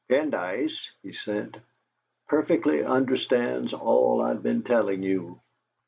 "Pendyce," he said, "perfectly understands all I've been telling you.